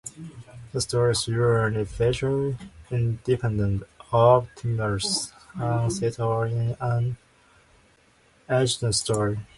The stores usually feature independent optometrists on-site or in an adjacent store.